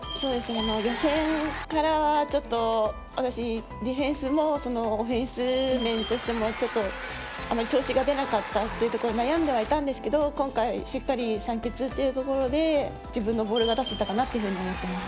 予選からディフェンスもオフェンス面としてもちょっと調子が出なかったというところで悩んだりはしていたんですが今回は、しっかり３決というところで自分のボールが出せたかなと思います。